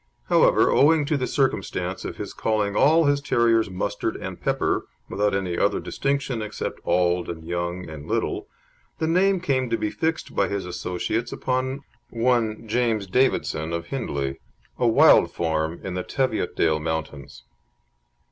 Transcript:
However, owing to the circumstance of his calling all his terriers Mustard and Pepper, without any other distinction except "auld" and "young" and "little," the name came to be fixed by his associates upon one James Davidson, of Hindlee, a wild farm in the Teviotdale mountains.